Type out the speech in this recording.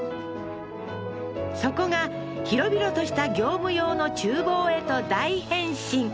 そこが広々とした業務用の厨房へと大変身